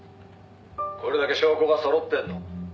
「これだけ証拠がそろってんの」